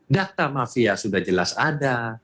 data mafia sudah jelas ada